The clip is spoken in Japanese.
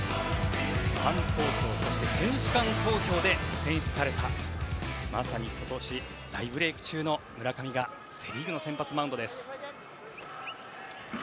ファン投票、そして選手間投票で選出されたまさに今年大ブレーク中の村上がセ・リーグの先発マウンドです。